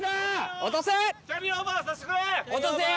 ・落とせよ！